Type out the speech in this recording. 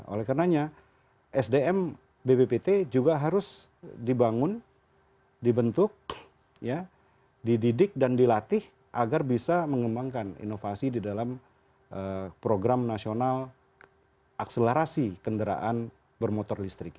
oleh karenanya sdm bbpt juga harus dibangun dibentuk dididik dan dilatih agar bisa mengembangkan inovasi di dalam program nasional akselerasi kendaraan bermotor listrik